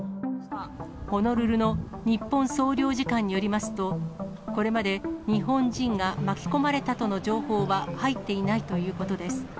ホノルルの日本総領事館によりますと、これまで日本人が巻き込まれたとの情報は入っていないということです。